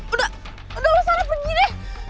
udah udah lo salah pergi deh